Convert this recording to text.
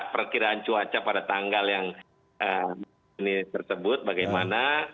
perkiraan cuaca pada tanggal yang ini tersebut bagaimana